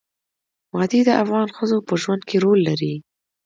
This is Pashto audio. وادي د افغان ښځو په ژوند کې رول لري.